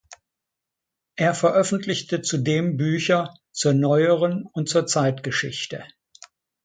Er veröffentlichte zudem Bücher zur neueren und zur Zeitgeschichte.